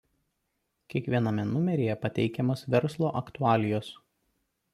Kiekviename numeryje pateikiamos verslo aktualijos.